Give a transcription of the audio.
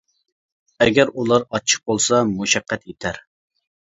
ئەگەر ئۇلار ئاچچىق بولسا مۇشەققەت يېتەر.